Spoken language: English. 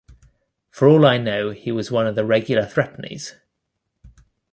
For all I know he was one of the regular threepennies.